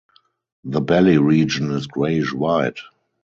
The belly region is grayish white.